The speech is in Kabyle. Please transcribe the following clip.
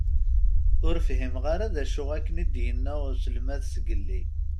Ur fhimeɣ ara d acu akken i d-inna uselmad zgelli.